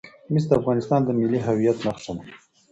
مس د افغانستان د ملي هویت نښه ده.